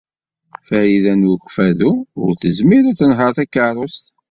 Farida n Ukeffadu ur tezmir ad tenheṛ takeṛṛust.